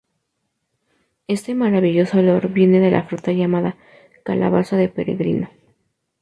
Este maravilloso olor viene de la fruta llamada Calabaza de peregrino.